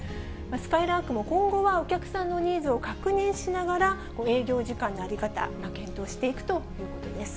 すかいらーくも今後、お客さんのニーズを確認しながら、営業時間の在り方、検討していくということです。